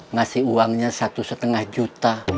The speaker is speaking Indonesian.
ngasih uangnya satu lima juta